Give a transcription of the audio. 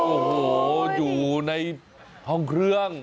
โอ้โหอยู่ในห้องเครื่อง